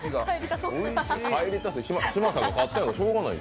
嶋佐が勝ったんだからしょうがない。